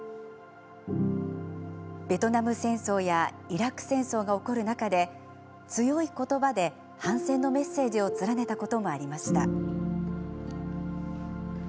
ベトナム戦争やイラク戦争が起こる中で強い言葉で反戦のメッセージを連ねたこともありました。